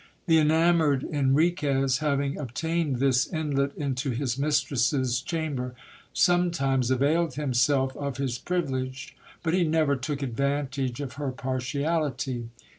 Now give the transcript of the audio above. The enamoured Enriquez having obtained this inlet into his mistress's cham ber, sometimes availed himself of his privilege ; but he never took advantage of her partiality.